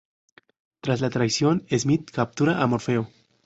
Tras la traición, Smith captura a Morfeo.